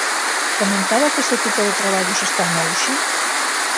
Comentaba que este tipo de traballos está en auxe?